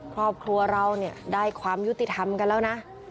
ครอบครัวเราเนี่ยได้ความยุติธรรมกันแล้วนะ